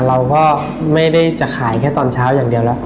เราก็ไม่ได้จะขายแค่ตอนเช้าอย่างเดียวแล้ว